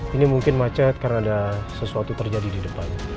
ini mungkin macet karena ada sesuatu terjadi di depan